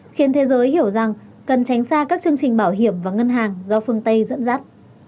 khiến thế giới hiểu rằng cần tránh xa các chương trình bảo hiểm và ngân hàng do phương tây dẫn dắt